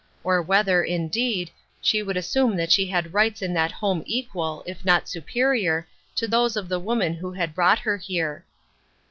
Or, whether, indeed, she would assume that she had rights in that home equal, if not superior, to those of the woman who had brought her here.